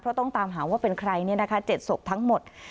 เพราะต้องตามหาว่าเป็นใครเนี่ยนะคะเจ็ดศพทั้งหมด